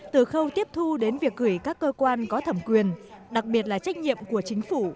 từ khâu tiếp thu đến việc gửi các cơ quan có thẩm quyền đặc biệt là trách nhiệm của chính phủ